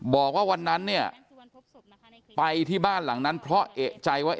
บอกว่าวันนั้นเนี่ยไปที่บ้านหลังนั้นเพราะเอกใจว่า